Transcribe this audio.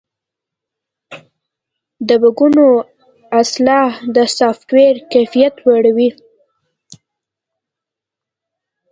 د بګونو اصلاح د سافټویر کیفیت لوړوي.